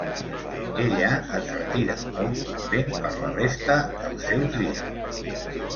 Ella es retira a un convent per la resta dels seus dies.